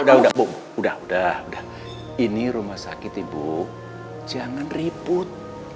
udah udah bu udah udah ini rumah sakit ibu jangan riput